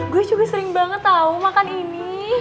gue juga sering banget tahu makan ini